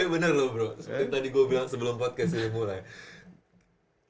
bener loh bro tadi gue bilang sebelum podcast ini mulai